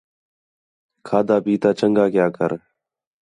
کھادا پِیتا چنڳا کیا کر